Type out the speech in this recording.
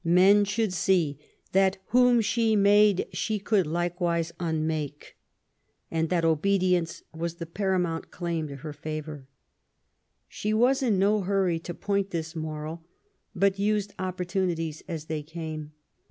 Men should see that whom she made she could likewise unmake,, and that obedience was the paramount claim to her favour. She was in no hurry to point this moral,, but used opportunities as they came.